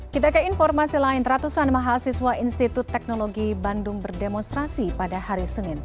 kita ke informasi lain ratusan mahasiswa institut teknologi bandung berdemonstrasi pada hari senin